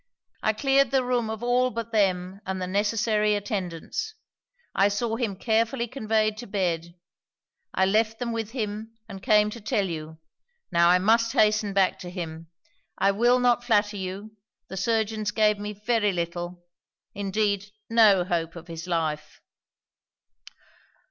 I cleared the room of all but them, and the necessary attendants. I saw him carefully conveyed to bed. I left them with him; and came to tell you. Now I must hasten back to him. I will not flatter you; the surgeons gave me very little indeed no hope of his life.'